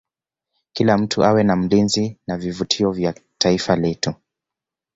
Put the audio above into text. kila mtu awe mlinzi wa vivutio vya taifa letu